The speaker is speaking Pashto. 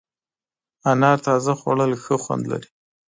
انار تازه خوړل ښه خوند لري.